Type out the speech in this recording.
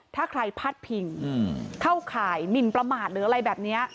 ถ้าใครพาดพิงเข้าข่ายหมินประมาทหรืออะไรแบบนี้